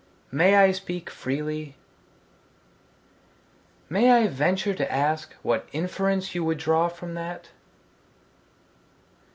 May I speak freely? May I venture to ask what inference you would draw from that?